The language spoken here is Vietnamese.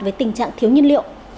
với tình trạng thiếu nhiên liệu